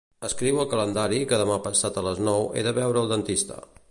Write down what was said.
Escriu al calendari que demà passat a les nou he de veure el dentista.